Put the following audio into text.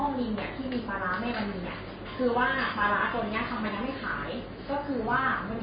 ห้องกลางนี่ไม่ใช่เช่าอิงไหวตอนนั้นเช่าไหวทุกบางอย่าง